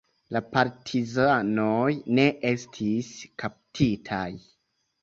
La partizanoj ne estis kaptitaj.